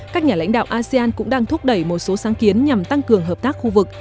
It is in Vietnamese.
các nhà lãnh đạo asean cũng đang thúc đẩy một số sáng kiến nhằm tăng cường hợp tác khu vực